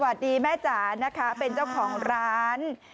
แม่จ๋านะคะเป็นเจ้าของร้าน